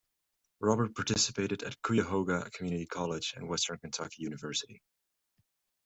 Robert participated at Cuyahoga Community College and Western Kentucky University.